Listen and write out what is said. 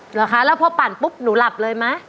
เหรอคะแล้วพอปั่นปุ๊บหนูหลับเลยไหม